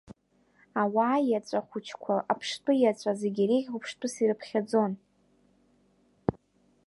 Ауаа иаҵәа хәыҷқәа аԥштәы иаҵәа зегь иреиӷьу ԥштәыс ирыԥхьаӡон.